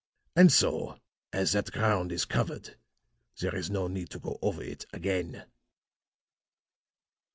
And so, as that ground is covered, there is no need to go over it again."